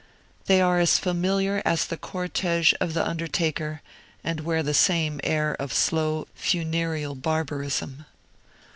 They are as familiar as the cortege of the undertaker, and wear the same air of slow, funereal barbarism.